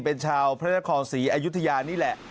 เป็นชาวพระนครศรีอยุธยานี่แหละ